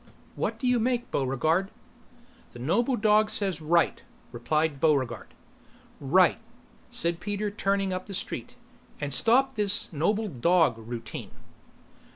"What do you make, Buregarde?" "The noble dog says right," replied Buregarde. "Right," said Peter turning up the street. "And stop this 'Noble dog' routine."